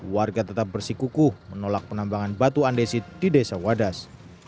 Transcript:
warga tetap bersikukuh menolak penambangan batu andesit di desa wadas